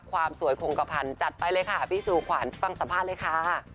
ความสวยคงกระพันธ์จัดไปเลยค่ะพี่สู่ขวัญฟังสัมภาษณ์เลยค่ะ